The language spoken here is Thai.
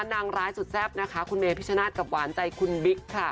นางร้ายสุดแซ่บนะคะคุณเมพิชนาธิ์กับหวานใจคุณบิ๊กค่ะ